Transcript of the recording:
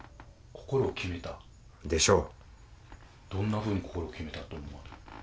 どんなふうに心を決めたと思われる。